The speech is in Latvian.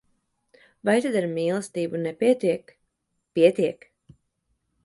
Vai tad ar mīlestību nepietiek? Pietiek!